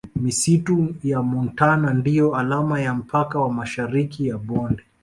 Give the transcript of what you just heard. Misitu ya montane ndiyo alama ya mpaka wa Mashariki ya bonde